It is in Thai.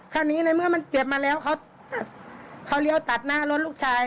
คราวนี้ในเมื่อมันเจ็บมาแล้วเขาเลี้ยวตัดหน้ารถลูกชาย